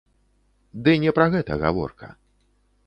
Ды не пра гэта гаворка.